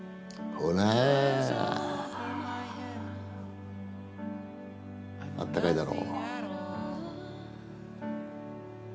ほらあったかいだろ。